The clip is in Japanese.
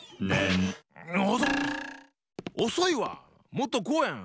もっとこうやん！